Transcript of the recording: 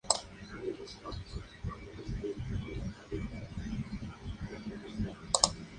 Sus hábitats naturales son los bosques y manglares tropicales y subtropicales.